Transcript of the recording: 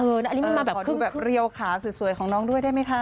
อันนี้มันมาแบบขอดูแบบเรียวขาสวยของน้องด้วยได้ไหมคะ